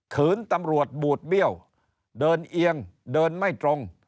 ขืนตำรวจบูดเบี้ยวเดินเอียงเดินไม่ตรง